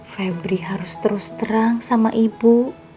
febri harus terus terang sama ibu